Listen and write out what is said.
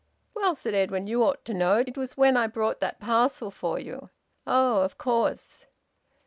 "Well," said Edwin, "you ought to know. It was when I brought that parcel for you." "Oh! Of course!"